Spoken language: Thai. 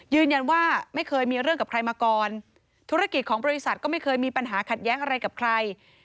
ยืนยันว่าไม่เคยมีเรื่องกับใครมาก่อนธุรกิจของบริษัทก็ไม่เคยมีปัญหาขัดแย้งอะไรกับใคร